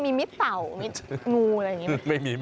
มีมิดเต่ามิดงูอะไรอย่างนี้